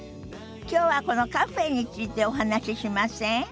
きょうはこのカフェについてお話ししません？